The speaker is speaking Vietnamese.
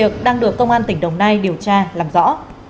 các bạn làm rõ